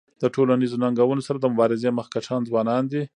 د ټولنیزو ننګونو سره د مبارزی مخکښان ځوانان دي.